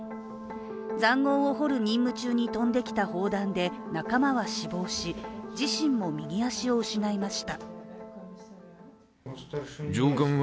ざんごうを掘る任務中に飛んできた砲弾で仲間は死亡し、自身も右足を失いました。